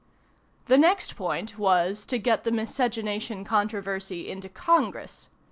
The next point was, to get the miscegenation controversy into Congress.